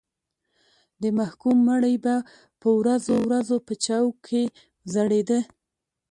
د محکوم مړی به په ورځو ورځو په چوک کې ځړېده.